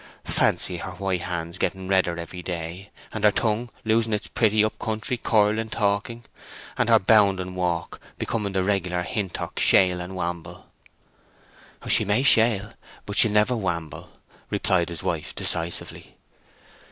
Fancy her white hands getting redder every day, and her tongue losing its pretty up country curl in talking, and her bounding walk becoming the regular Hintock shail and wamble!" "She may shail, but she'll never wamble," replied his wife, decisively.